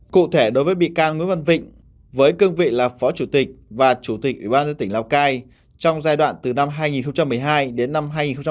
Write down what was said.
cụ thể đối với bị can nguyễn văn vịnh với cương vị là phó chủ tịch và chủ tịch ủy ban dân tỉnh lào cai trong giai đoạn từ năm hai nghìn một mươi hai đến năm hai nghìn một mươi bảy